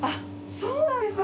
そうなんですか。